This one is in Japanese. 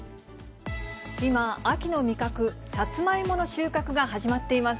今、秋の味覚、サツマイモの収穫が始まっています。